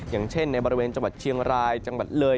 อย่างเช่นในบริเวณจังหวัดเชียงรายจังหวัดเลย